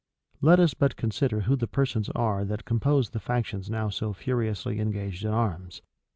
Let us but consider who the persons are that compose the factions now so furiously engaged in arms.